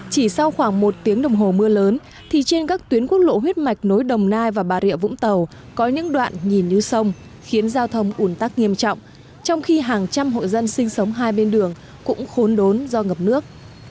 chỉ sau khoảng một tiếng đồng hồ mưa lớn thì trên các tuyến quốc lộ huyết mạch nối đồng nai và bà rịa vũng tàu có những đoạn nhìn như sông khiến giao thông ủn tắc nghiêm trọng trong khi hàng trăm hộ dân sinh sống hai bên đường cũng khốn đốn do ngập nước